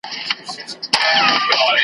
د غرڅه په څېر پخپله دام ته لویږي .